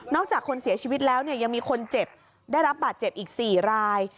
จากคนเสียชีวิตแล้วเนี่ยยังมีคนเจ็บได้รับบาดเจ็บอีก๔ราย